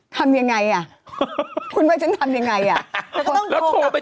ทำอย่างไรอ่ะคุณว่าฉันทำอย่างไรอ่ะแล้วก็ต้องโทรกลับไป